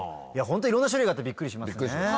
ホントいろんな種類があってびっくりしますね。